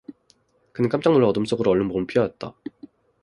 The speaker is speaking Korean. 그는 깜짝 놀라 어둠 속으로 얼른 몸을 피하였다.